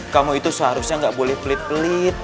kamu itu seharusnya nggak boleh pelit pelit